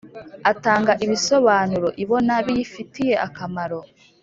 Atanga ibisobanuro ibona biyifitiye akamaro